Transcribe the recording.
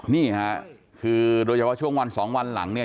นี่ค่ะคือโดยเฉพาะช่วงวันสองวันหลังเนี่ย